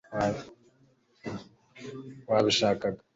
wabishakaga